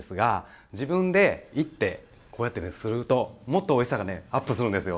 自分で煎ってこうやってするともっとおいしさがアップするんですよ。